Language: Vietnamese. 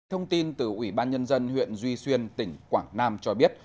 thông tin từ ủy ban nhân dân huyện duy xuyên tỉnh quảng nam cho biết